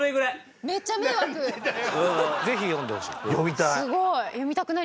ぜひ読んでほしい。